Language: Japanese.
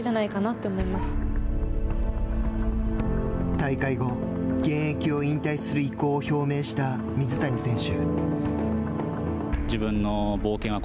大会後、現役を引退する意向を表明した水谷選手。